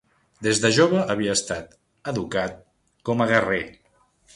Des de jove havia estat educat com a guerrer.